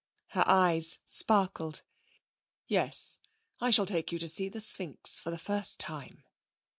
Her eyes sparkled. 'Yes, I shall take you to see the Sphinx. For the first time.'